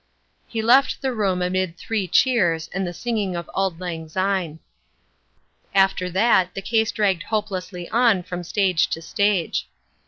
He left the room amid three cheers and the singing of "Auld Lang Syne." After that the case dragged hopeless on from stage to stage.